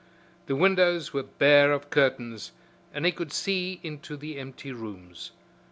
The windows were bare of curtains and he could see into the empty rooms.